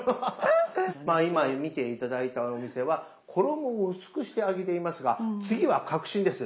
まあ今見て頂いたお店は衣を薄くして揚げていますが次は革新です。